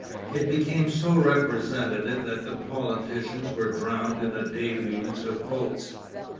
It became so representative that the politicians were drowned in a deluge of votes.